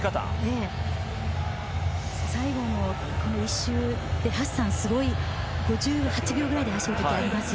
最後の１周で、ハッサンは５８秒ぐらいで走る時ありますよね。